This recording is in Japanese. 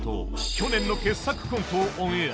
去年の傑作コントをオンエア。